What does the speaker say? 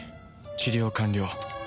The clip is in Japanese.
治療完了。